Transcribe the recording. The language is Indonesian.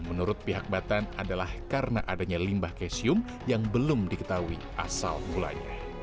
menurut pihak batan adalah karena adanya limbah kesium yang belum diketahui asal gulanya